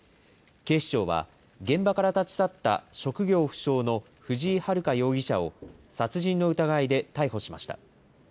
警視庁は現場から立ち去った職業不詳の藤井遙容疑者を、殺人の疑いで逮捕しました。